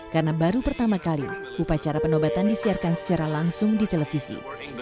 karena baru pertama kali upacara penobatan disiarkan secara langsung di televisi